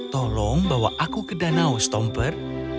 tolong bawa aku ke danau stomper